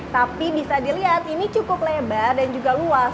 tapi bisa dilihat ini cukup lebar dan juga luas